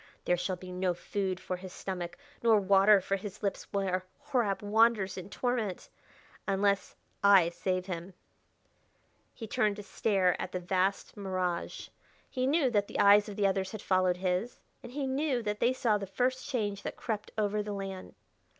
There shall be no food for his stomach nor water for his lips where Horab wanders in torment.... Unless I save him." He turned to stare at the vast mirage. He knew that the eyes of the others had followed his, and he knew that they saw the first change that crept over the land.